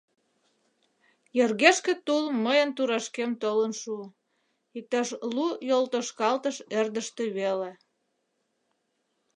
Йыргешке тул мыйын турашкем толын шуо, иктаж лу йолтошкалтыш ӧрдыжтӧ веле.